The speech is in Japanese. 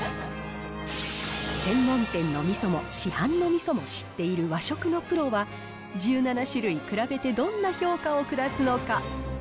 専門店のみそも市販のみそも知っている和食のプロは、１７種類比べてどんな評価を下すのか。